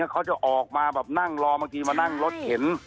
เขาจะออกมาแบบนั่งรอบางทีมานั่งรถเข็น